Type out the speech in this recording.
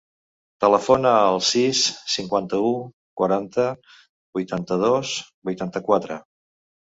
Telefona al sis, cinquanta-u, quaranta, vuitanta-dos, vuitanta-quatre.